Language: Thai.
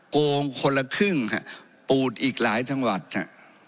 โกงคนละครึ่งฮะปูดอีกหลายจังหวัดฮะ